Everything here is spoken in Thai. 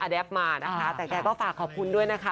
แต่แกก็ฝากขอบคุณด้วยนะคะ